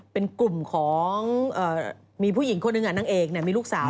เป็นกลุ่มของมีผู้หญิงคนหนึ่งนางเอกมีลูกสาว